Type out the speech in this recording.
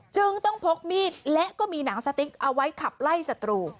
จึงต้องพกมีดและก็มีหนังสติ๊กเอาไว้ขับไล่สตรู